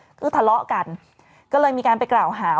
ก็ทะเลาะกันก็เลยมีการไปกล่าวหา